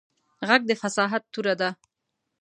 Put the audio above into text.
غږ د فصاحت توره ده